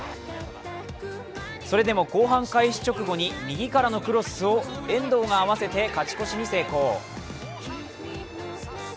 それでも後半開始直後に右からのクロスを遠藤が合わせて勝ち越しに成功。